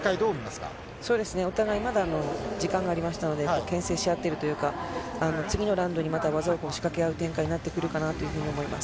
お互いまだ時間がありましたので、けん制し合っているというか、次のラウンドにまた技を仕掛け合う展開になってくるかと思います。